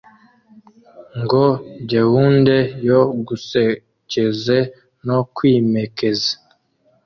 ngo gehunde yo gusekeze no kwimekeze